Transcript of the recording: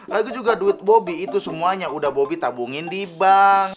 lalu juga duit bobi itu semuanya udah bobby tabungin di bank